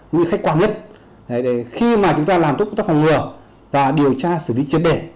nguyên khách quan nhất khi mà chúng ta làm tốt công tác phòng ngừa và điều tra xử lý trên đề